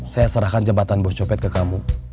saya serahkan jabatan bos copet ke kamu